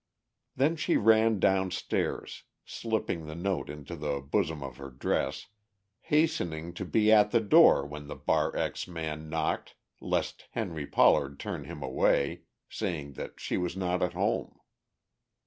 Then she ran down stairs, slipping the note into the bosom of her dress, hastening to be at the door when the Bar X man knocked lest Henry Pollard turn him away, saying that she was not at home.